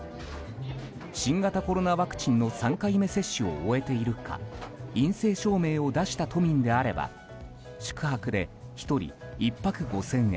新型コロナワクチンの３回目接種を終えているか陰性証明を出した都民であれば宿泊で１人１泊５０００円